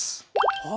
はあ。